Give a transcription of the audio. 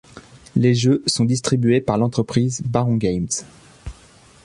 Les jeux sont distribués par l'entreprise Barron Games.